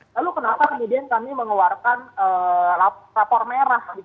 lalu kenapa kemudian kami mengeluarkan rapor merah